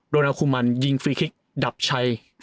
โดนอาคุมันยิงฟรีคลิกดับชัย